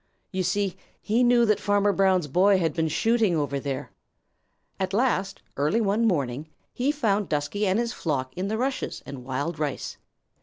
You see, he knew that Farmer Brown's boy had been shooting over there. At last, early one morning, he found Dusky and his flock in the rushes and wild rice.